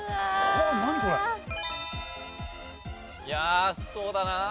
いやそうだな。